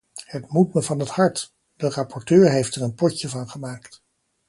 Het moet me van het hart: de rapporteur heeft er een potje van gemaakt.